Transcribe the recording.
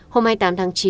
hôm hai mươi tám tháng chín